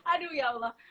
aduh ya allah